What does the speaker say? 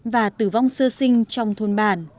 và tử vong sơ sinh trong thôn bà